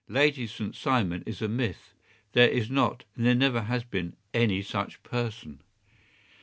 Lady St. Simon is a myth. There is not, and there never has been, any such person.